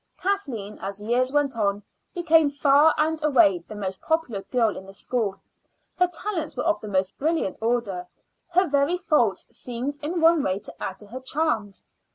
Kathleen, as years went on, became far and away the most popular girl in the school. Her talents were of the most brilliant order; her very faults seemed in one way to add to her charms.